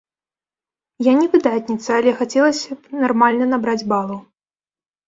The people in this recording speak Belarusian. Я не выдатніца, але хацелася б нармальна набраць балаў.